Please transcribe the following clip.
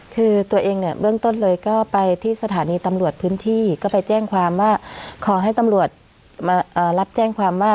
คือตัวเองเนี่ยเบื้องต้นเลยก็ไปที่สถานีตำรวจพื้นที่ก็ไปแจ้งความว่าขอให้ตำรวจมารับแจ้งความว่า